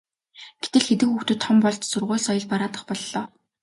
гэтэл хэдэн хүүхдүүд том болж сургууль соёл бараадах боллоо.